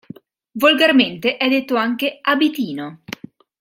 Volgarmente è detto anche "abitino".